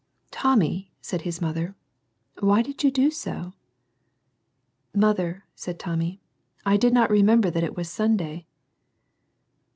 "Tommy," said his mother, "why did you do so ?"—" Mother," said Tommy, " I did not remember that it was Sunday."